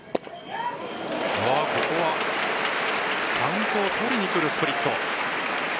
ここはカウントを取りに来るスプリット。